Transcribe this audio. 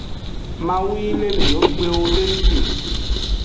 Mawu yi le miwogbewo do te.